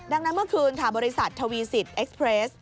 ดังนั้นเมื่อคืนค่ะบริษัททวีสิตเอ็กซ์เพรส